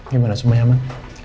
gimana semuanya aman